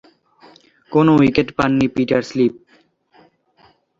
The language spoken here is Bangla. কোন উইকেট পাননি পিটার স্লিপ।